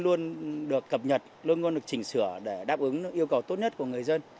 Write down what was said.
luôn được cập nhật luôn luôn được chỉnh sửa để đáp ứng yêu cầu tốt nhất của người dân